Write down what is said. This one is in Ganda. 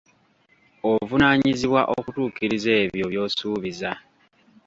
Ovunaanyizibwa okutuukiriza ebyo by'osuubiza.